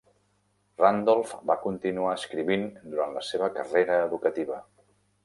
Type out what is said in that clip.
Randolph va continuar escrivint durant la seva carrera educativa.